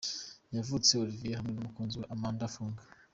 Kavutse Olivier hamwe n'umukunzi we Amanda Fung.